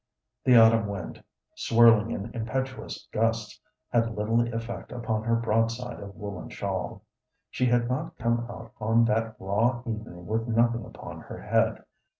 The autumn wind, swirling in impetuous gusts, had little effect upon her broadside of woollen shawl. She had not come out on that raw evening with nothing upon her head.